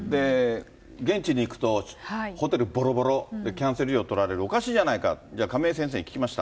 現地に行くとホテルぼろぼろ、キャンセル料とられる、おかしいじゃないか、亀井先生に聞きました。